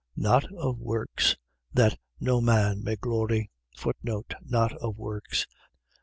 2:9. Not of works, that no man may glory. Not of works.